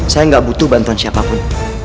saya nggak butuh bantuan siapapun